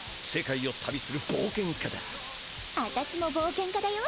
世界を旅する冒険家だ。